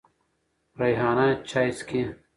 ریحانه چای څکې.